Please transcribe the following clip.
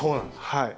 はい。